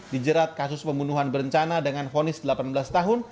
dijerat kasus pembunuhan berencana dengan fonis delapan belas tahun